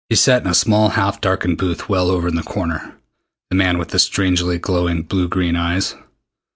He sat in a small half darkened booth well over in the corner the man with the strangely glowing blue green eyes.